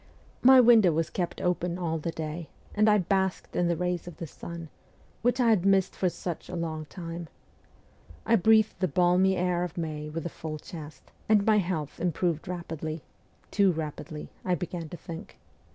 My window was kept open all the day, and I basked in the rays of the sun, which I had missed for such a long time. I breathed the balmy air of May with a full chest, and my health improved rapidly too rapidly, I began to think.